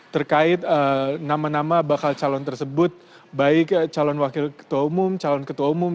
terkait nama nama bakal calon tersebut baik calon wakil ketua umum calon ketua umum